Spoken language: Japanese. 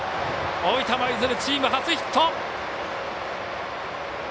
大分舞鶴、チーム初ヒット！